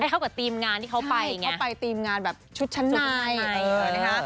เข้ากับทีมงานที่เข้าไปเนี่ย